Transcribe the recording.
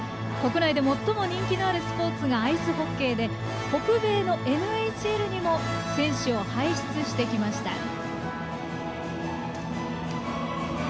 国内で最も人気のあるスポーツがアイスホッケーで北米のＮＨＬにも選手を輩出してきました。